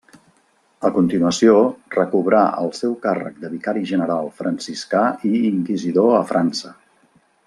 A continuació, recobrà el seu càrrec de vicari general franciscà i inquisidor a França.